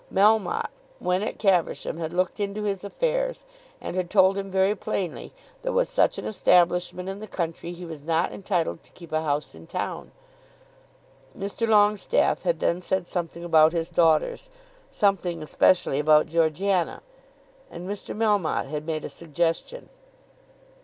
Melmotte, when at Caversham, had looked into his affairs, and had told him very plainly that with such an establishment in the country he was not entitled to keep a house in town. Mr. Longestaffe had then said something about his daughters, something especially about Georgiana, and Mr. Melmotte had made a suggestion.